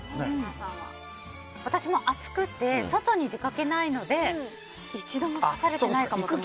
私も暑くて外に出かけないので一度も刺されてないかと思います。